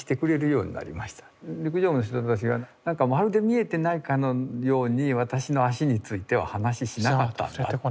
陸上部の人たちがまるで見えてないかのように私の足については話しなかったんだって。